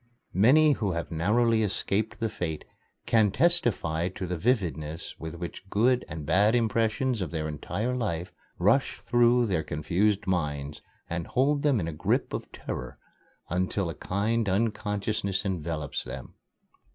Many who have narrowly escaped that fate can testify to the vividness with which good and bad impressions of their entire life rush through their confused minds, and hold them in a grip of terror until a kind unconsciousness envelops them.